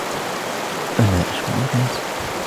أنا أشم الغاز.